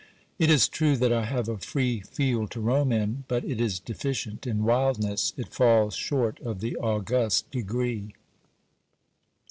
It is true that I have a free field to roam in, but it is deficient in wildness, it falls short of the august degree.